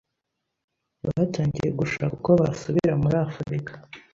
batangiye gushaka uko basubira muri Afurika.